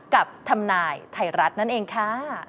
กับทำนายไทยรัฐนั่นเองค่ะ